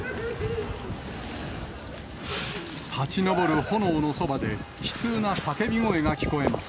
立ち上る炎のそばで、悲痛な叫び声が聞こえます。